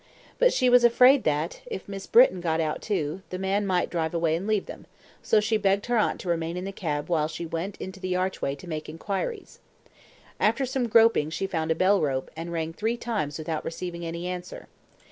But she was afraid that, if Miss Britton got out too, the man might drive away and leave them, so she begged her aunt to remain in the cab while she went into the archway to make inquiries. After some groping she found a bell rope, and rang three times without receiving any answer.